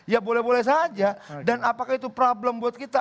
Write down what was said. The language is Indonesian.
ya boleh boleh saja dan apakah itu problem buat kita